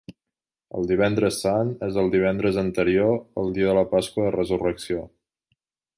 El Divendres Sant és el divendres anterior al dia de la Pasqua de Resurrecció.